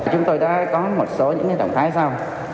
chúng tôi đã có một số những động thái sau